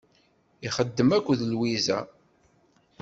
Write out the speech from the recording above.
Ixeddem akked Lwiza.